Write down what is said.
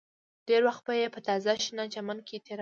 ډېر وخت به یې په تازه شنه چمن کې تېراوه